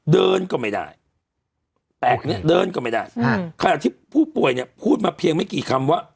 เดินก็ไม่ได้แตกเนี่ยเดินก็ไม่ได้ขนาดที่ผู้ป่วยเนี่ยพูดมาเพียงไม่กี่คำว่า